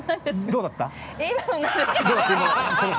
どうだった？